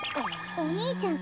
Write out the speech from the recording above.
お兄ちゃん